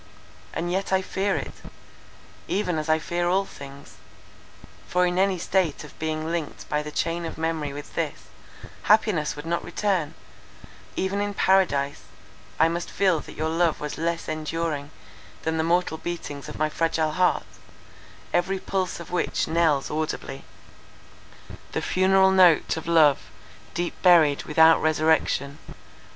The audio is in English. And yet I fear it; even as I fear all things; for in any state of being linked by the chain of memory with this, happiness would not return—even in Paradise, I must feel that your love was less enduring than the mortal beatings of my fragile heart, every pulse of which knells audibly, The funeral note Of love, deep buried, without resurrection.